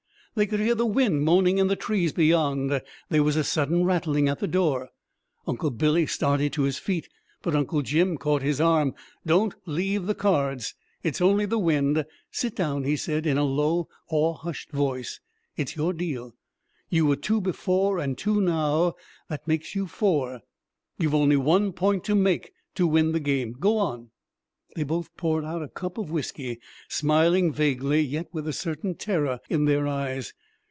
They could hear the wind moaning in the trees beyond; there was a sudden rattling at the door. Uncle Billy started to his feet, but Uncle Jim caught his arm. "Don't leave the cards! It's only the wind; sit down," he said in a low awe hushed voice, "it's your deal; you were two before, and two now, that makes you four; you've only one point to make to win the game. Go on." They both poured out a cup of whiskey, smiling vaguely, yet with a certain terror in their eyes.